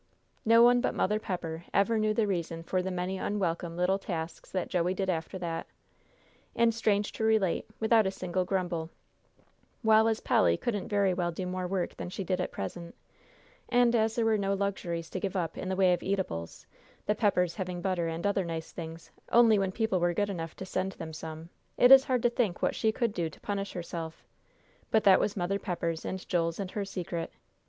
No one but Mother Pepper ever knew the reason for the many unwelcome little tasks that Joey did after that, and, strange to relate, without a single grumble, while as Polly couldn't very well do more work than she did at present, and as there were no luxuries to give up in the way of eatables, the Peppers having butter and other nice things only when people were good enough to send them some, it is hard to think what she could do to punish herself. But that was Mother Pepper's and Joel's and her secret.